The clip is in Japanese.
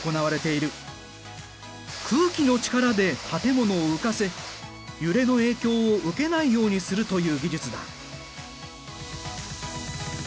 空気の力で建物を浮かせ揺れの影響を受けないようにするという技術だ。